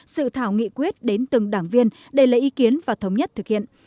sự thảo nghị quyết đến từng đảng viên để lấy ý kiến và thống nhất thực hiện